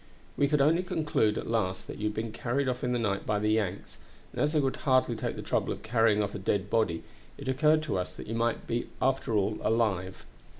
"We could only conclude at last that you had been carried off in the night by the Yanks, and as they would hardly take the trouble of carrying off a dead body, it occurred to us that you might after all be alive.